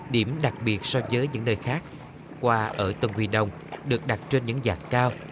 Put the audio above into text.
điểm đặc biệt so với những nơi khác hoa ở tân huy đông được đặt trên những dạng cao